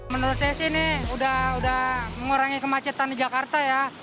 menurut saya sih ini sudah mengurangi kemacetan di jakarta ya